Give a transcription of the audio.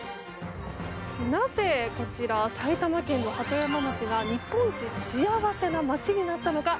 なぜ、埼玉県の鳩山町が日本一幸せな街になったのか。